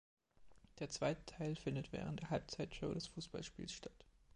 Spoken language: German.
Der zweite Teil findet während der Halbzeitshow des Fussballspiels statt.